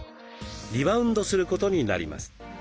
リバウンドすることになります。